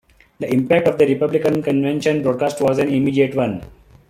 The impact of the Republican Convention broadcast was an immediate one.